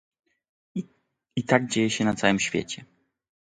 I tak dzieje się na całym świecie